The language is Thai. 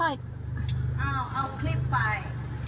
เอาคลิปไป